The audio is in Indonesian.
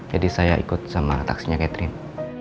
jadi saya ikut sama taksinya catherine